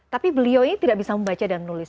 tapi beliau ini tidak bisa membaca dan menulis